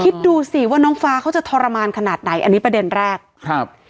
คิดดูสิว่าน้องฟ้าเขาจะทรมานขนาดไหนอันนี้ประเด็นแรกครับ